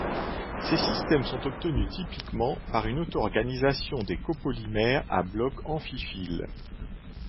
Ces systèmes sont obtenus typiquement par auto-organisation de copolymères à bloc amphiphiles.